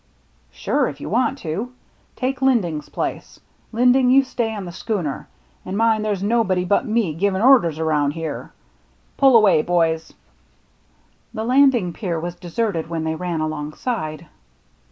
"Sure, if you want to. Take Linding's place. Linding, you stay on the schooner. And mind, there's nobody but me giving orders around here. Pull away, boys." The landing pier was deserted when they ran alongside.